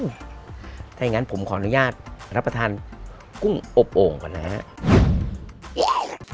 ถ้าอย่างนั้นผมขออนุญาตรับประทานกุ้งอบโอ่งก่อนนะครับ